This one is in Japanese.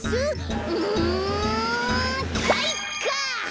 うんかいか！